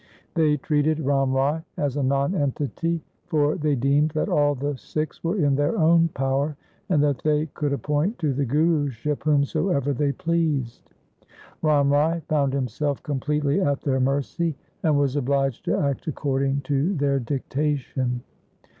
They treated Ram Rai as a nonentity, for they deemed that all the Sikhs were in their own power, and that they could appoint to the Guruship whomsoever they pleased. Ram Rai found himself completely at their mercy, and was obliged to act according to their dictation.